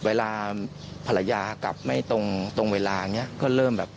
เวลาภรรยากลับไม่ตรงเวลาอย่างนี้ก็เริ่มแบบ